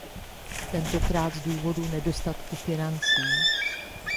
Tentokrát z důvodu nedostatku financí.